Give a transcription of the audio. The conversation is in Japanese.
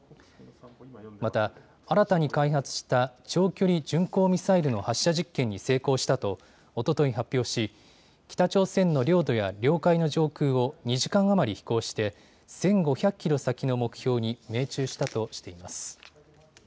また、新たに開発した長距離巡航ミサイルの発射実験に成功したとおととい発表し、北朝鮮の領土や領海の上空を２時間余り飛行して１５００キロ先の目標に命中したとしています。